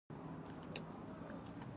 د غزل یو بیت او د مطلع لومړۍ مصرع ترمنځ.